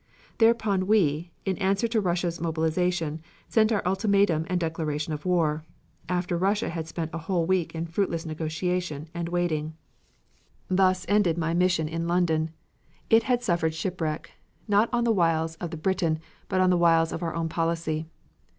Thereupon we (in answer to Russia's mobilization) sent our ultimatum and declaration of war after Russia had spent a whole week in fruitless negotiation and waiting. Thus ended my mission in London. It had suffered shipwreck, not on the wiles of the Briton but on the wiles of our own policy.